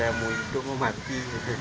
ya saya mau hidup mau mati